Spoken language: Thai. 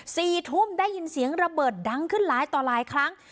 สี่ทุ่มได้ยินเสียงระเบิดดังขึ้นหลายต่อหลายครั้ง